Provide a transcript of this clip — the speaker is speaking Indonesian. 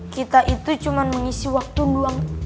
kita itu cuma mengisi waktu luang